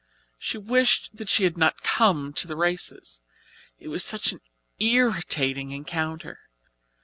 She wished that she had not come to the races. It was such an irritating encounter.